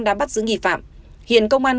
đã bắt giữ nghi phạm hiện công an